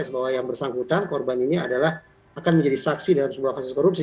bahwa yang bersangkutan korban ini adalah akan menjadi saksi dalam sebuah kasus korupsi